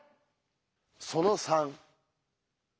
その３。